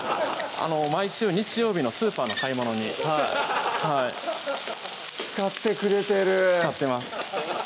毎週日曜日のスーパーの買い物に使ってくれてる使ってます